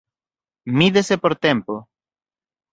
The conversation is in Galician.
Mídese por tempo.